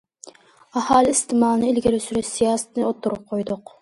ئاھالە ئىستېمالىنى ئىلگىرى سۈرۈش سىياسىتىنى ئوتتۇرىغا قويدۇق.